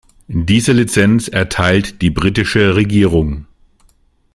Diese Lizenz erteilt die britische Regierung.